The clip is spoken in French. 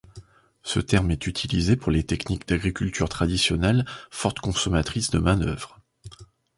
Ce terme est utilisé pour les techniques d’agriculture traditionnelle fortes consommatrices de main-d’œuvre.